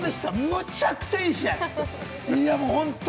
むちゃくちゃいい試合！